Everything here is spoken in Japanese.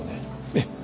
ええ。